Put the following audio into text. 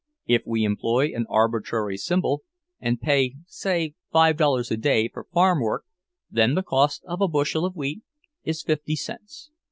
If we employ an arbitrary symbol, and pay, say, five dollars a day for farm work, then the cost of a bushel of wheat is fifty cents."